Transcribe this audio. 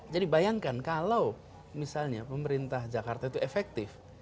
jadi bayangkan kalau misalnya pemerintah jakarta itu efektif